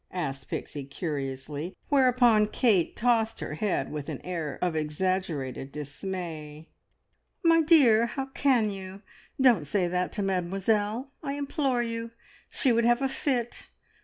asked Pixie curiously, whereupon Kate tossed her head with an air of exaggerated dismay. "My dear, how can you? Don't say that to Mademoiselle, I implore you! She would have a fit.